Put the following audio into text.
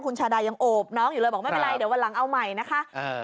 คุณชาดายังโอบน้องอยู่เลยบอกไม่เป็นไรเดี๋ยววันหลังเอาใหม่นะคะ